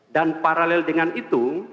dan paralel dengan itu